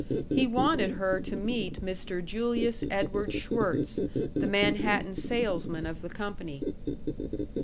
He wanted her to meet Mr. Julius Edward Schwirtz, the Manhattan salesman of the company.